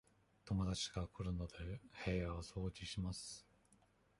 友達が来るので、部屋を掃除します。